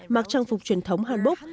mặc trang phục truyền thống hàn quốc